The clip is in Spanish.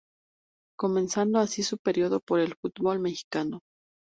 Comenzando así su periplo por el fútbol mexicano.